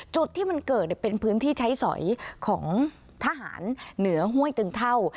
จุดที่มันเกิดเป็นพื้นที่ใช้สอยของทหารเหนือห้วยตึงเท่า